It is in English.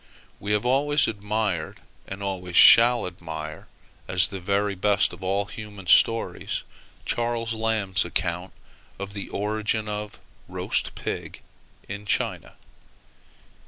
We have always admired, and always shall admire, as the very best of all human stories, Charles Lamb's account of the origin of roast pig in China.